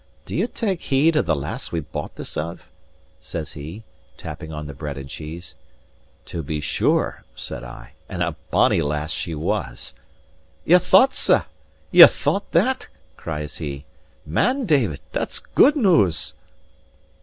"Did ye take heed of the lass we bought this of?" says he, tapping on the bread and cheese. "To be sure," said I, "and a bonny lass she was." "Ye thought that?" cries he. "Man, David, that's good news."